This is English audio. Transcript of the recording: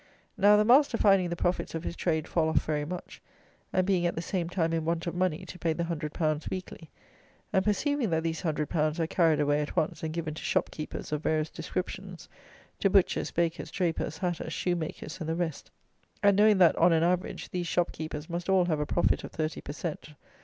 Now, the master finding the profits of his trade fall off very much, and being at the same time in want of money to pay the hundred pounds weekly, and perceiving that these hundred pounds are carried away at once, and given to shopkeepers of various descriptions; to butchers, bakers, drapers, hatters, shoemakers, and the rest; and knowing that, on an average, these shopkeepers must all have a profit of thirty _per cent.